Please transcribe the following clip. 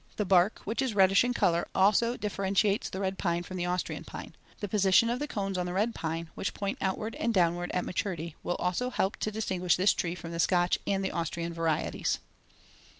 The bark, which is reddish in color, also differentiates the red pine from the Austrian pine. The position of the cones on the red pine, which point outward and downward at maturity, will also help to distinguish this tree from the Scotch and the Austrian varieties.